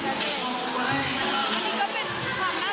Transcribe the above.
แล้วก็ดูว่าคุณผู้แข่งงานเขาก็เห็นข่าวเขาก็เขียกมาความแน่ใจของคุณ